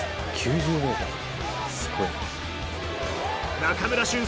中村俊輔